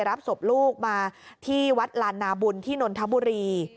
รับศพลูกมาที่วัดลานนาบุญที่นนทบุรี